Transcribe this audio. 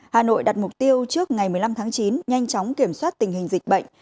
hà nội đặt mục tiêu trước ngày một mươi năm tháng chín nhanh chóng kiểm soát tình hình dịch bệnh